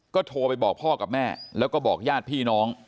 ก็โทรไปบอกพ่อกับแม่แล้วก็บอกญาติพี่น้อง